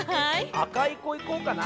あかいこいこうかな。